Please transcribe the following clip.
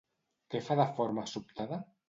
Què fa de forma sobtada?